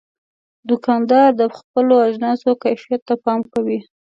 دوکاندار د خپلو اجناسو کیفیت ته پام کوي.